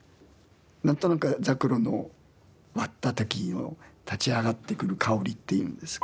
何となく柘榴の割った時の立ち上がってくる香りっていうんですか。